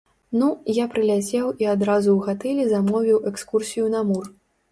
Ну, я прыляцеў і адразу ў гатэлі замовіў экскурсію на мур!